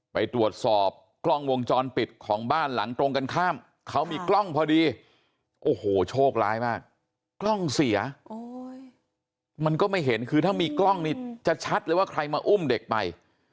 ไปตรวจสอบกล้องวงจรปิดของบ้านหลังตรงกันข้ามเขามีกล้องพอดีโอ้โหโชคร้ายมากกล้องเสียมันก็ไม่เห็นคือถ้ามีกล้องนี่จะชัดเลยว่าใครมาอุ้มเด็กไป